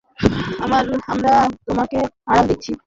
আমরা তোমাকে আড়াল দিচ্ছি।